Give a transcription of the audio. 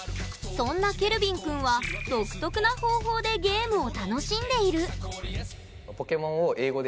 そんなけるびんくんは独特な方法でゲームを楽しんでいるん？